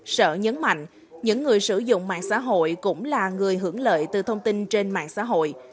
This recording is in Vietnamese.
sở nhấn mạnh những người sử dụng mạng xã hội cũng là người hưởng lợi từ thông tin trên mạng xã hội